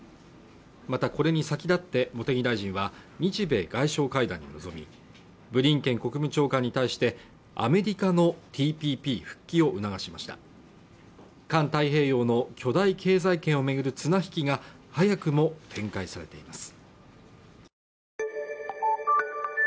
またこれに先立って茂木大臣は日米外相会談に臨みブリンケン国務長官に対してアメリカのＴＰＰ復帰を促しました環太平洋の巨大経済圏を巡る綱引きが早くも展開されています